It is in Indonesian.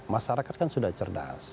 masyarakat kan sudah cerdas